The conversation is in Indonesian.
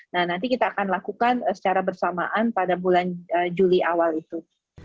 nah nanti kita akan lakukan secara bersamaan pada bulan juli awal itu